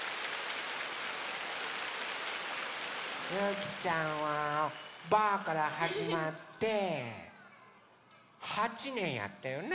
ゆきちゃんは「ばあっ！」からはじまって８ねんやったよね。